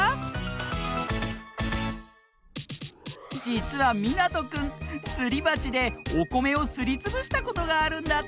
じつはみなとくんすりばちでおこめをすりつぶしたことがあるんだって！